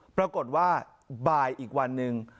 ปรากฏว่าบ่ายอีกวันหนึ่ง